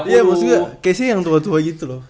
ya maksudnya kayaknya yang tua tua gitu loh